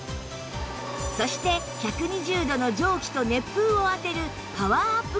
そして１２０度の蒸気と熱風を当てるパワーアップ加工を施し